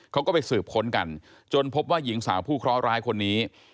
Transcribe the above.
เขาก็ไปสืบค้นกันจนพบว่าหญิงสาวผู้เคราะหร้ายคนนี้